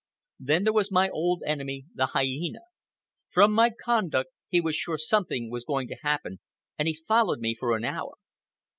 Then there was my old enemy, the hyena. From my conduct he was sure something was going to happen, and he followed me for an hour.